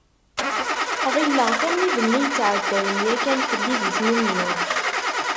Ɣilleɣ-t am wid-nni yettɛeddayen yakan fell-i di tannumi.